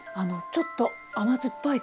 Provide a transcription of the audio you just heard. ちょっとしょっぱい。